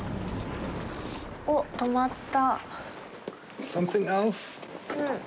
おっ、とまった。